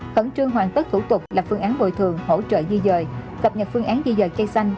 khẩn trương hoàn tất thủ tục lập phương án bồi thường hỗ trợ di dời cập nhật phương án di dời cây xanh